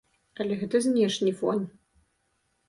Але гэта знешні фон.